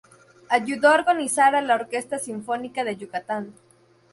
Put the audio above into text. Ayudó a organizar a la Orquesta Sinfónica de Yucatán.